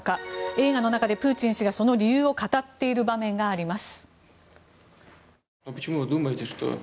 映画の中でプーチン氏がその理由を語っている場面があります。